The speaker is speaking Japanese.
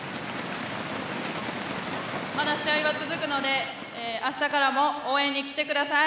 まだ試合は続くので明日からも応援に来てください。